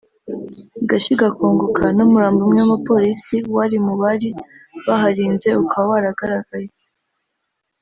igashya igakongoka n’umurambo umwe w’umupolisi wari mu bari baharinze ukaba waragaragaye